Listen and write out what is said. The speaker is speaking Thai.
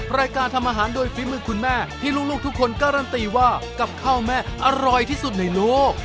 รายการทำอาหารโดยฝีมือคุณแม่ที่ลูกทุกคนการันตีว่ากับข้าวแม่อร่อยที่สุดในโลก